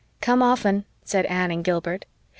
"Come often," said Anne and Gilbert.